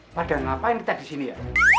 pada ngapain kita di sini ya